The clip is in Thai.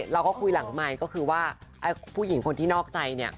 เราก็คุยหลังไมค์ก็คือว่าผู้หญิงคนที่นอกใจเนี่ย